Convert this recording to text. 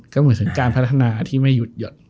ก็เหมือนถึงการพัฒนาที่ไม่หยุดหยด